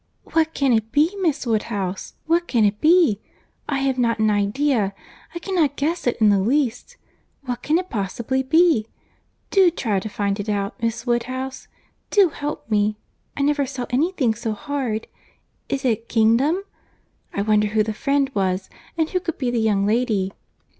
"What can it be, Miss Woodhouse?—what can it be? I have not an idea—I cannot guess it in the least. What can it possibly be? Do try to find it out, Miss Woodhouse. Do help me. I never saw any thing so hard. Is it kingdom? I wonder who the friend was—and who could be the young lady.